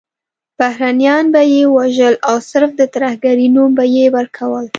بهرنیان به یې وژل او صرف د ترهګرۍ نوم به یې ورکول.